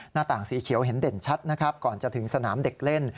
หน้าต่างสีเขียวเห็นเด่นชัดนะครับก่อนจะถึงสนามเด็กเล่น